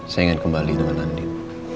saya ingin kembali dengan andi